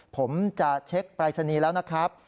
ผมจะเช็คปรายศนีย์แล้วนะครับ